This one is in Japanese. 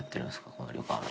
この旅館。